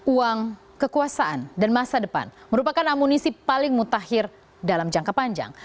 uang kekuasaan dan masa depan merupakan amunisi paling mutakhir dalam jangka panjang